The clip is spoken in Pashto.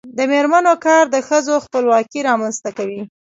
د میرمنو کار د ښځو خپلواکي رامنځته کوي.